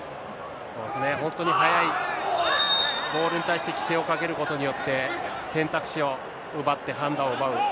そうですね、本当に速い、ボールに対して規制をかけることによって、選択肢を奪って、判断を奪う。